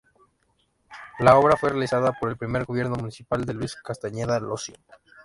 La obra fue realizada por el primer gobierno municipal de Luis Castañeda Lossio.